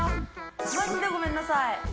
マジでごめんなさい。